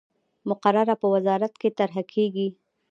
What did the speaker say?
مقرره په وزارت کې طرح کیږي.